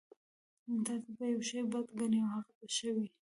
تاسې به يو شی بد ګڼئ او هغه به ښه وي.